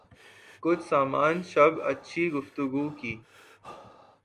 کچھ سامان شب اچھی گفتگو کی